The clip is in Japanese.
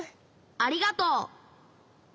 ありがとう。